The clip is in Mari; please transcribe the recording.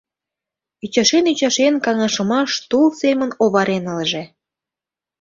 Ӱчашен-ӱчашен, каҥашымаш тул семын оварен ылыже.